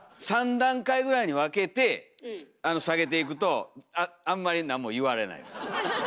３段階ぐらいに分けて下げていくとあんまりなんも言われないです。